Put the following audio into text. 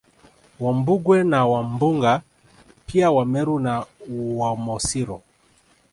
Wambugwe na Wambunga pia Wameru na Wamosiro